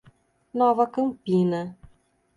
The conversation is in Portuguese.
Nova Campina